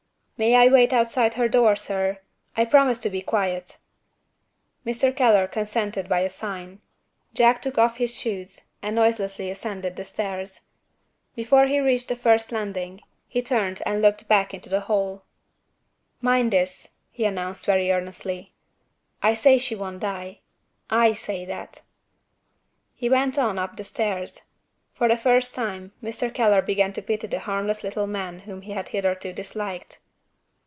"May I wait outside her door, sir? I promise to be very quiet." Mr. Keller consented by a sign. Jack took off his shoes, and noiselessly ascended the stairs. Before he reached the first landing, he turned and looked back into the hall. "Mind this!" he announced very earnestly; "I say she won't die I say that!" He went on up the stairs. For the first time Mr. Keller began to pity the harmless little man whom he had hitherto disliked.